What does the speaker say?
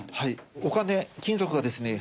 お金金属がですね